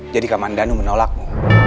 jadi kamandanu menolakmu